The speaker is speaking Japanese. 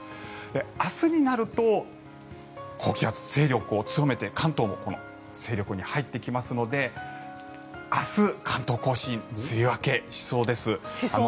明日になると高気圧、勢力を強めて関東も勢力に入ってきますので明日、関東・甲信梅雨明けしそうです。